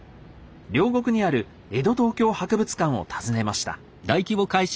両国にある江戸東京博物館を訪ねました。